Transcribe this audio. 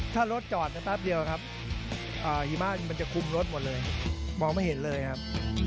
ถ้ารถจอดแป๊บเดียวครับหิมะมันจะคุมรถหมดเลยมองไม่เห็นเลยครับ